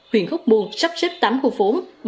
huyện khúc muồng sắp xếp tám khu phố